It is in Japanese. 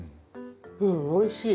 うんおいしい。